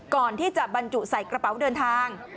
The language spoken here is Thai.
ก่อนที่จะบรรจุใส่กระเป๋าเดินทาง